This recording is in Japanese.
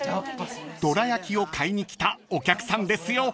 ［どら焼きを買いに来たお客さんですよ］